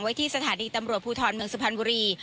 ที่สถานีตำรวจภูทรเมืองสุพรรณบุรี